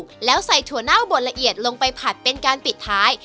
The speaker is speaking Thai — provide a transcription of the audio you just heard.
แล้วใส่ถั่วเน่าบดละเอียดลงไปผัดเป็นการปิดท้าย